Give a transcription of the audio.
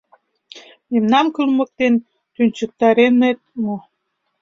— Мемнам кылмыктен тӱнчыктарынет мо?